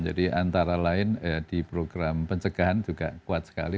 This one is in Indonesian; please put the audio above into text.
jadi antara lain di program pencegahan juga kuat sekali